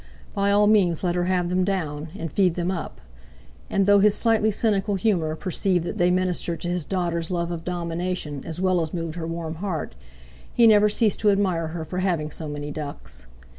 By all means let her have them down—and feed them up; and though his slightly cynical humour perceived that they ministered to his daughter's love of domination as well as moved her warm heart, he never ceased to admire her for having so many ducks.